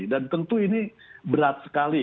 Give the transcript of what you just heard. dan tentu ini berat sekali